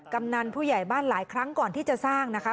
กำนันผู้ใหญ่บ้านหลายครั้งก่อนที่จะสร้างนะคะ